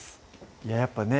いややっぱね